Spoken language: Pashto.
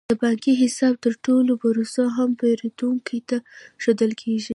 د بانکي حساب د تړلو پروسه هم پیرودونکو ته ښودل کیږي.